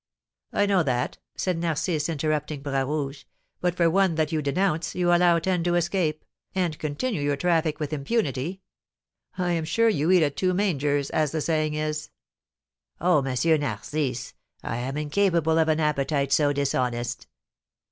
"I know that," said Narcisse, interrupting Bras Rouge; "but for one that you denounce, you allow ten to escape, and continue your traffic with impunity. I am sure you eat at two mangers, as the saying is." "Oh, M. Narcisse, I am incapable of an appetite so dishonest!"